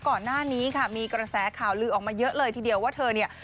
ก่อนหน้านี้ค่ะมีกระแสข่าวลือออกมาเยอะเลยทีเดียวว่าเธอเนี่ย